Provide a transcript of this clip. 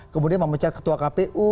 kemudian memecat ketua kpu